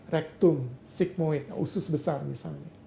rectum sigmoid usus besar misalnya